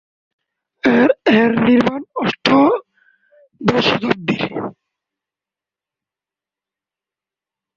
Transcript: এর নির্মাণ অষ্টাদশ শতাব্দীর।